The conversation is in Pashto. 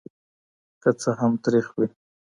که څه هم تریخ وي.